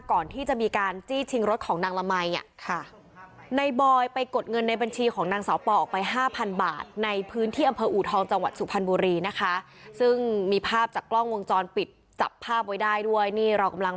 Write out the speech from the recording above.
ก่อนที่จะมีการจี้ชิงรถของนางละมัยในบอยไปกดเงินในบัญชีของนางเสาเปาะออกไป๕๐๐๐บาท